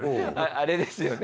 あれですよね